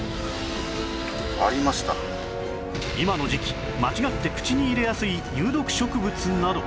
今の時期間違って口に入れやすい有毒植物など